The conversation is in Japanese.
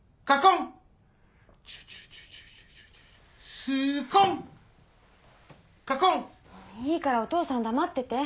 もういいからお父さん黙ってて。